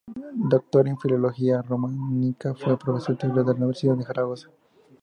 Doctor en Filología Románica, fue profesor titular de la Universidad de Zaragoza.